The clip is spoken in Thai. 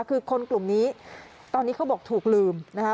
คือคนกลุ่มนี้ตอนนี้เขาบอกถูกลืมนะคะ